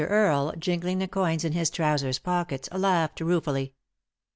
Earle, jingling the coins in his trousers pockets, laughed ruefully.